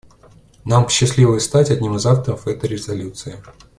Нам посчастливилось стать одним из авторов этой резолюции.